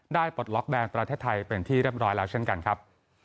ปลดล็อกแดนประเทศไทยเป็นที่เรียบร้อยแล้วเช่นกันครับ